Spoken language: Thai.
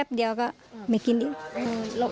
แล้วก็กลับไปไม่กินอีก